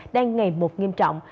đang ngày một nghiêm trọng